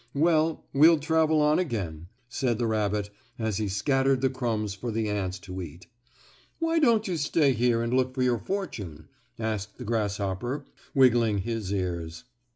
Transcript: "Well, we'll travel on again," said the rabbit, as he scattered the crumbs for the ants to eat. "Why don't you stay here and look for your fortune?" asked the grasshopper, wiggling his ears.